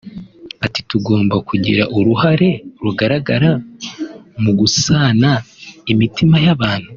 Ati “Tugomba kugira uruhare rugaragara mu gusana imitima y’abantu